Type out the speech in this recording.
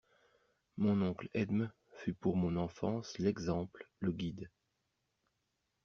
Mon oncle Edme fut pour mon enfance l'exemple, le guide.